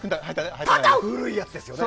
ただ古いやつですよね。